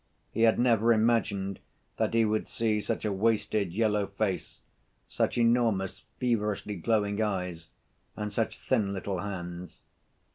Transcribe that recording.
He had never imagined that he would see such a wasted, yellow face, such enormous, feverishly glowing eyes and such thin little hands.